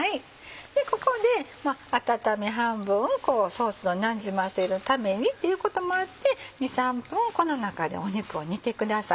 ここで温め半分ソースをなじませるためにっていうこともあって２３分この中で肉を煮てください。